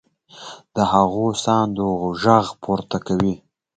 د هغو ساندو غږ پورته کوي.